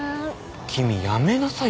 君やめなさいよ。